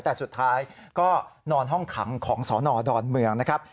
แต่สุดท้ายก็นอนห้องขังของสนดอนเมืองนะครับ